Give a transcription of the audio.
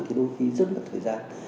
thì đôi khi rất mất thời gian